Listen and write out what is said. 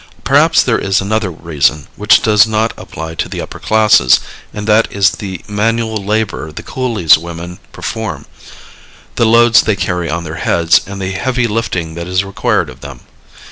Perhaps there is another reason, which does not apply to the upper classes, and that is the manual labor the coolies women perform, the loads they carry on their heads and the heavy lifting that is required of them.